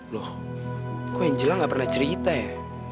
loh kok angel gak pernah cerita ya